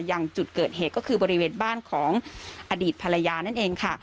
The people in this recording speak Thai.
อย่างจุดเกิดเหตุก็คือบริเวณบ้านของอดีตภรรยานั่นเองค่ะ